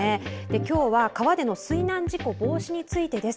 今日は川での水難事故防止についてです。